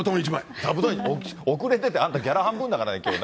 座布団、遅れててあんたギャラ半分だからね、きょう。